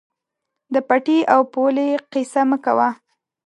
د پټي او پولې قیصه مه کوه.